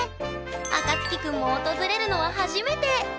あかつき君も訪れるのは初めて。